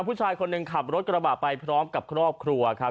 ผู้ชายคนหนึ่งขับรถกระบะไปพร้อมกับครอบครัวครับ